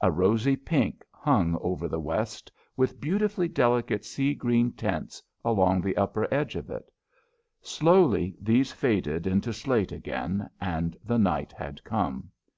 A rosy pink hung over the west, with beautifully delicate sea green tints along the upper edge of it. Slowly these faded into slate again, and the night had come.